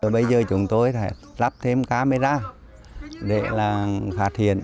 bây giờ chúng tôi đã lắp thêm camera để là khả thiện